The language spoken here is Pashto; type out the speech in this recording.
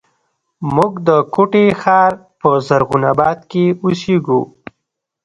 موږ د کوټي ښار په زرغون آباد کښې اوسېږو